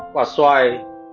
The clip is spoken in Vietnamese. ba quả xoài